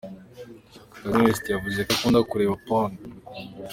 Kanye West yavuze ko akunda kureba porn.